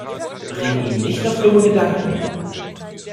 Bring ihn nicht auf dumme Gedanken!